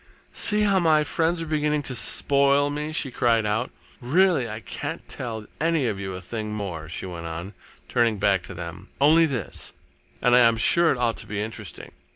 "See how my friends are beginning to spoil me!" she cried out. "Really, I can't tell any of you a thing more," she went on, turning back to them, "only this, and I am sure it ought to be interesting.